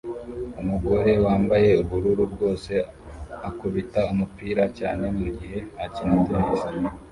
Umugore wambaye ubururu bwose akubita umupira cyane mugihe akina tennis